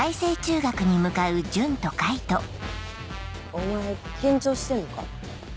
お前緊張してんのか？